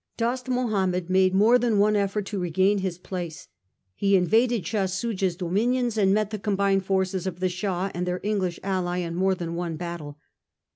Dost Mahomed made more than one effort to regain his place. He invaded Shah Soojah's do minions, and met the combined forces of the Shah and their English ally in more than one battle.